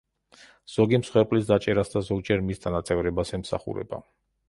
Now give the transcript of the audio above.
ზოგი მსხვერპლის დაჭერას და ზოგჯერ მის დანაწევრებას ემსახურება.